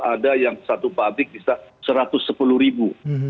ada yang satu pabrik bisa satu ratus sepuluh ribu